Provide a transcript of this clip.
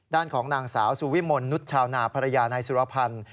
ด้านของนางสาวสุวิมลนุษย์ชาวนาภรรยานายสุรพันธ์